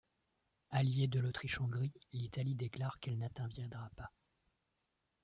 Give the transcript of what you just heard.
Alliée de l’Autriche-Hongrie, l’Italie déclare qu’elle n’interviendra pas.